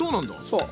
そう。